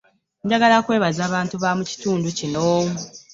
Njagala kwebaza bantu bamukitundu kino.